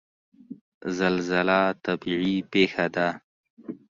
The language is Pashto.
زلزله طبیعي پیښه ده